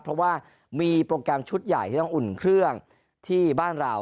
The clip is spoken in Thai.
เพราะว่ามีโปรแกรมชุดใหญ่ที่ต้องอุ่นเครื่องที่บ้านเรา